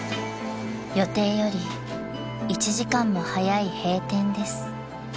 ［予定より１時間も早い閉店です］